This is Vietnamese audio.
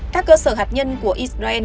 các cơ sở hạt nhân của israel